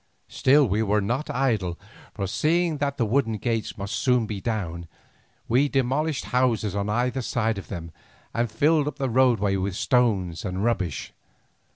Still we were not idle, for seeing that the wooden gates must soon be down, we demolished houses on either side of them and filled up the roadway with stones and rubbish.